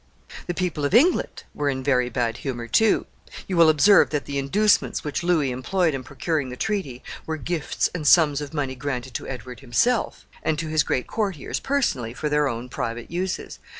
The people of England were in very bad humor too. You will observe that the inducements which Louis employed in procuring the treaty were gifts and sums of money granted to Edward himself, and to his great courtiers personally for their own private uses.